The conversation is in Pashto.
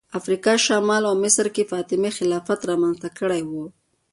افریقا شمال او مصر کې فاطمي خلافت رامنځته کړی و